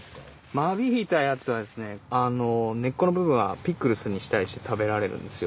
間引いたやつは根っこの部分はピクルスにしたりして食べられるんですよ。